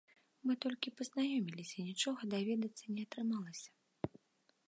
Мы толькі пазнаёміліся, нічога даведацца не атрымалася.